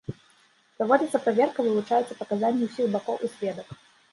Праводзіцца праверка, вывучаюцца паказанні ўсіх бакоў і сведак.